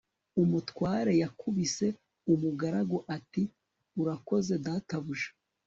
umutware yakubise umugaragu ati urakoze databuja